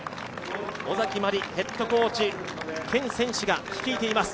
小崎まりヘッドコーチ兼選手が率いています。